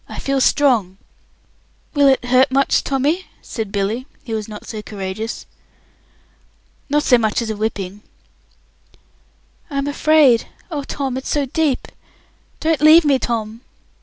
"I feel strong." "Will it hurt much, Tommy?" said Billy, who was not so courageous. "Not so much as a whipping." "I'm afraid! Oh, Tom, it's so deep! Don't leave me, Tom!"